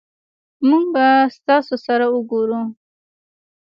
مونږ به ستاسو سره اوګورو